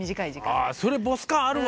ああそれボス感あるわ。